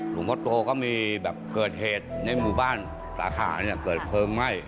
หลวงพ่อโตก็มีแบบเกิดเหตุในหมู่บ้านสาขาเนี่ยเกิดเพลิงไหม้